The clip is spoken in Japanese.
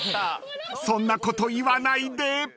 ［そんなこと言わないで！］